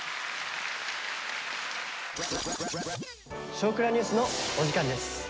「少クラＮＥＷＳ」のお時間です。